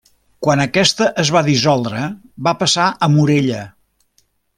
Quan aquesta es va dissoldre va passar a Morella.